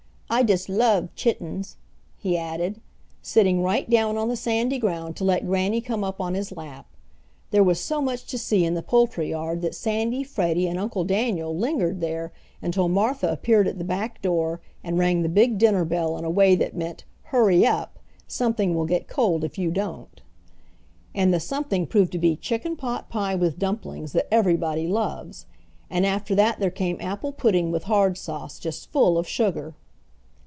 "I dust love chitens," he added, sitting right down on the sandy ground to let Granny come up on his lap. There was so much to see in the poultry yard that Sandy, Freddie, and Uncle Daniel lingered there until Martha appeared at the back door and rang the big dinner bell in a way that meant, "Hurry up! something will get cold if you don't." And the something proved to be chicken pot pie with dumplings that everybody loves. And after that there came apple pudding with hard sauce, just full of sugar.